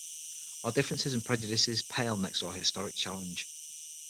Our differences and prejudices pale next to our historic challenge.